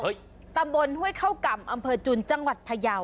เฮ้ยตำบลฮึ้ยเข้ากล่ำอำเภอจุนจังหวัดพระเยา